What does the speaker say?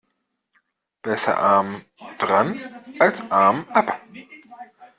Besser arm dran als Arm ab.